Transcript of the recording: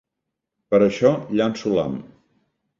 Per això llanço l’ham.